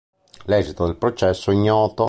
L'esito del processo è ignoto.